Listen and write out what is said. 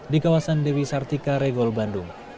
di kawasan dewi sartika regol bandung